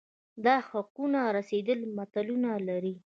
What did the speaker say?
دا حقونه رسېدلي ملتونه لرل